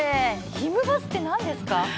「ひむバス！」って何ですか？